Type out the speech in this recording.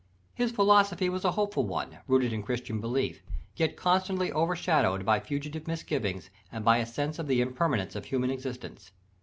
His philosophy was a hopeful one, rooted in Christian belief, yet constantly over shadowed by fugitive misgivings and by a sense of the impermanence of human existence.